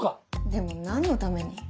でも何のために？